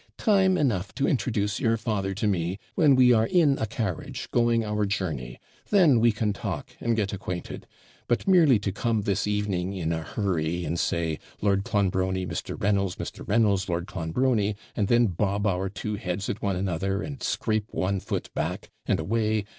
Time enough to introduce your father to me when we are in a carriage, going our journey; then we can talk, and get acquainted; but merely to come this evening in a hurry, and say, "Lord Clonbrony, Mr. Reynolds; Mr. Reynolds, Lord Clonbrony," and then bob our two heads at one another, and scrape one foot back, and away!